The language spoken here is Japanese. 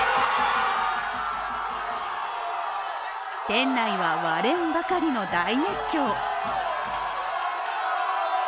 店内は、割れんばかりの大熱狂。